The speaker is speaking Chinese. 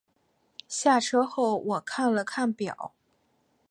下车后我看了看表